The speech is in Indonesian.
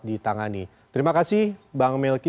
ditangani terima kasih bang melki